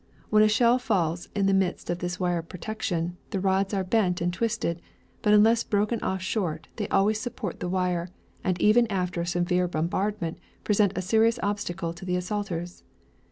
When a shell falls in the midst of this wire protection, the rods are bent and twisted, but unless broken off short they always support the wire, and even after a severe bombardment present a serious obstacle to the assaulters.